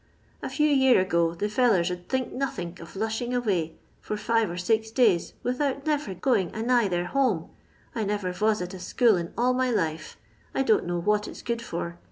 A few year ago the fellers 'u'd think nothink o* lushin avay fur five or six days without niver going anigh their home. I niver vos at a school in all my life ; I don't know what it 's good for.